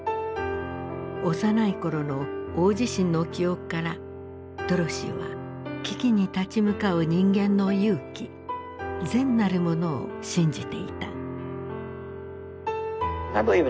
幼い頃の大地震の記憶からドロシーは危機に立ち向かう人間の勇気善なるものを信じていた。